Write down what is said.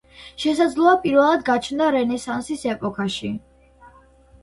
შესაძლოა პირველად გაჩნდა რენესანსის ეპოქაში.